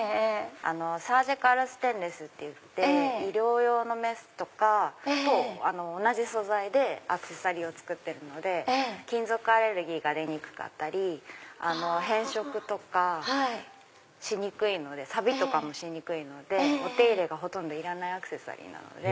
サージカルステンレスといって医療用のメスとかと同じ素材でアクセサリーを作ってるので金属アレルギーが出にくかったり変色とかサビとかもしにくいのでお手入れがほとんどいらない。